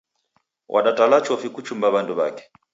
Wadatala chofi kuchumba w'andu w'ake